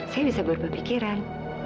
saya bisa berpikiran